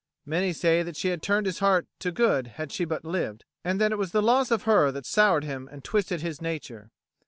Many say that she had turned his heart to good had she but lived, and that it was the loss of her that soured him and twisted his nature.